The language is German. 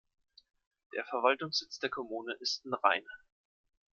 Der Verwaltungssitz der Kommune ist in Reine.